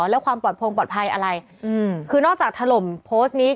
แล้วความปลอดภัยอะไรคือนอกจากถล่มโพสต์นี้